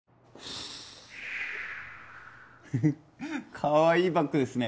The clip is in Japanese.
かわいいバッグですね